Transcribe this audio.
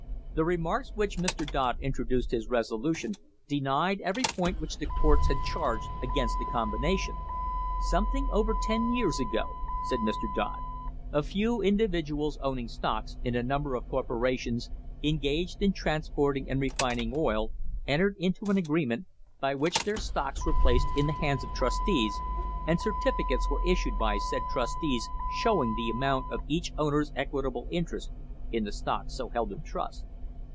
The re marks with which Mr. Dodd introduced his resolution denied every point which the courts had charged against the com bination : "Something over ten years ago," said Mr. Dodd, "a few individuals owning stocks in a number of corporations engaged in transporting and refining oil, entered into an agreement by which their stocks were placed in the hands of trustees, and certificates were issued by said trustees showing the amount of each owner's equitable interest in the stocks so held in trust.